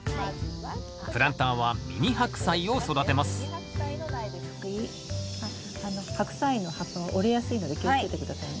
プランターはミニハクサイを育てますあっハクサイの葉っぱは折れやすいので気をつけて下さいね。